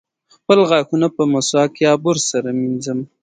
خپل غاښونه په مسواک یا برس سره مینځم.